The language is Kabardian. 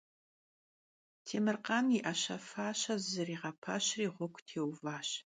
Têmırkhan yi 'eşe - faşeç'e zızeriğepeşri ğuegu têuvaş.